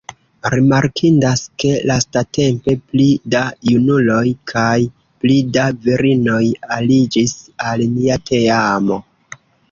Rimarkindas ke lastatempe pli da junuloj kaj pli da virinoj aliĝis al nia teamo.